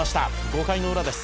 「５回のウラです」